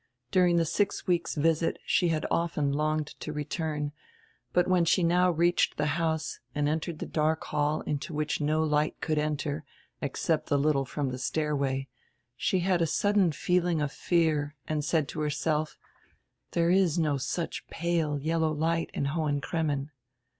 During die six weeks' visit she had often longed to return, but when she now reached die house and entered die dark hall into which no light could enter except die little from die stairway, she had a sudden feeling of fear and said to herself: "There is no such pale, yellow light in Hohen Cremmen."